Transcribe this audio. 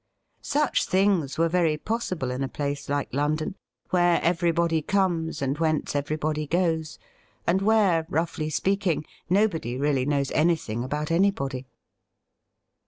Such things were very possible in a place like London, where everybody comes and whence everybody goes, and where, roughly speaking, nobody really knows anything about anybody.